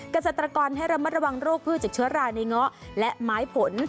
เกษตรกรให้ระมัดระวังโรคพืชจากเชื้อราในเงาะและไม้ผล